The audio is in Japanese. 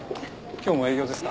今日も営業ですか？